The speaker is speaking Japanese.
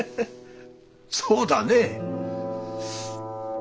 そうだねえ。